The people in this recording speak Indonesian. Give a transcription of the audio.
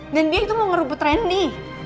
dan dia itu mau merebut randy